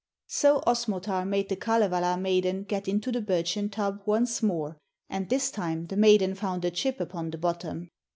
'So Osmotar made the Kalevala maiden get into the birchen tub once more, and this time the maiden found a chip upon the bottom.